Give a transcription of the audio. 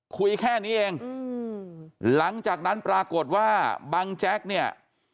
คุยแค่นี้เองหลังจากนั้นปรากฏว่าบังแจ๊กเนี่ย